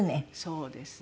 そうですね。